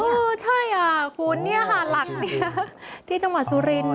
เออใช่คุณหลักนี้ที่จังหวัดสุรินทร์ค่ะ